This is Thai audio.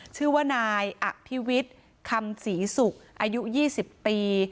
ชื่อว่านายอักพิวิทย์คำศรีศุกร์อายุยี่สิบปี